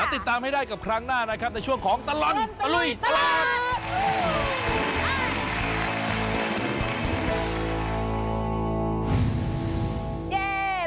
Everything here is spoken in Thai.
ติดตามให้ได้กับครั้งหน้านะครับในช่วงของตลอดตะลุยกลับ